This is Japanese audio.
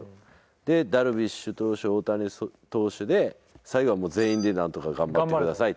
でダルビッシュ投手大谷投手で最後はもう全員でなんとか頑張ってくださいと。